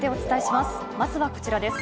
まずはこちらです。